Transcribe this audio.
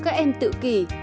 các em tự kỷ